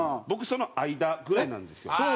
僕その間ぐらいなんですよ。